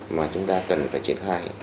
mà chúng ta cần phải triển khai